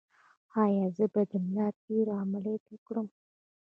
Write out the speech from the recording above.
ایا زه باید د ملا د تیر عملیات وکړم؟